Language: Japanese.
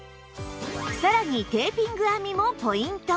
さらにテーピング編みもポイント